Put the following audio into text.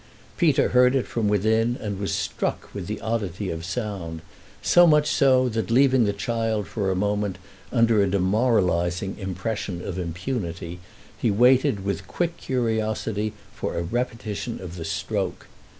Peter heard it from within and was struck with its oddity of sound—so much so that, leaving the child for a moment under a demoralising impression of impunity, he waited with quick curiosity for a repetition of the stroke.